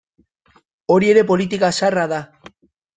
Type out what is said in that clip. Hori ere politika zaharra da.